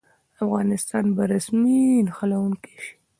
افغانستان به د سیمې نښلونکی شي؟